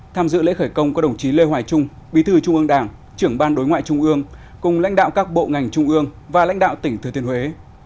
tham dự lễ khởi công có đồng chí lê hoài trung bí thư trung ương đảng trưởng ban đối ngoại trung ương cùng lãnh đạo các bộ ngành trung ương và lãnh đạo tỉnh thừa thiên huế